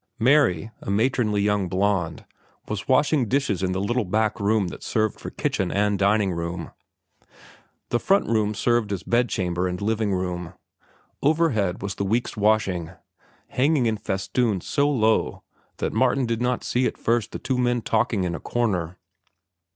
Mary, a matronly young blonde, was washing dishes in the little back room that served for kitchen and dining room. The front room served as bedchamber and living room. Overhead was the week's washing, hanging in festoons so low that Martin did not see at first the two men talking in a corner.